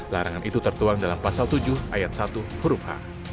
larangan itu tertuang dalam pasal tujuh ayat satu huruf h